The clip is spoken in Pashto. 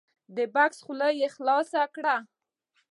د بکس خوله یې خلاصه کړه !